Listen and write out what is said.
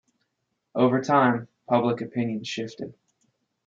Over time, public opinion shifted.